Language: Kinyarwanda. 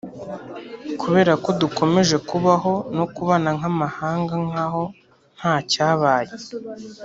kubera ko dukomeje kubaho no kubana nk’amahanga nk’aho ntacyabaye